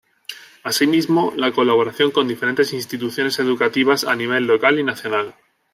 Así mismo, la colaboración con diferentes instituciones educativas a nivel local y nacional.